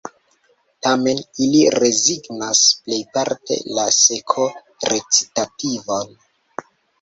Tamen ili rezignas plejparte la seko-recitativon.